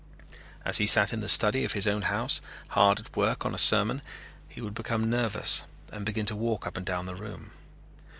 As he sat in the study of his own house, hard at work on a sermon, he would become nervous and begin to walk up and down the room.